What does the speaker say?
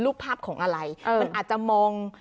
รูปภาพของอะไรมันอาจจะมอง